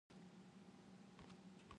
Ini tidak fakultatif.